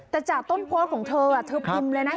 แต่จากต้นโพสต์ของเธอเธอพิมพ์เลยนะ